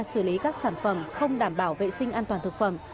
xử lý các sản phẩm không đảm bảo vệ sinh an toàn thực phẩm